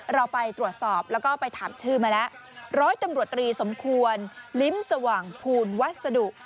เราไปตรวจสอบแล้วก็ไปถามชื่อมาแล้วร้อยตำรวจตรีสมควรลิ้มสว่างภูลวัสดุ